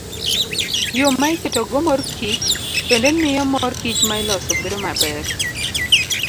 Yo ma iketogo mor kich bende miyo mor kich ma iloso bedo maber.